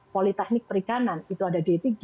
politeknik perikanan itu ada di tiga